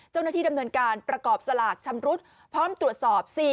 เจ้าหน้าที่ดำเนินการประกอบสลากชำรุดพร้อมตรวจสอบ